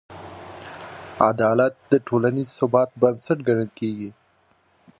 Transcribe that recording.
عدالت د ټولنیز ثبات بنسټ ګڼل کېږي.